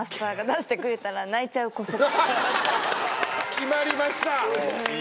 決まりました。